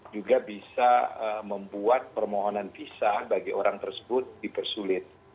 juga bisa membuat permohonan visa bagi orang tersebut dipersulit